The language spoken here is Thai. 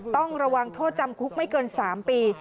ต้องระวังโทษจำคุกไม่เกิน๓ปี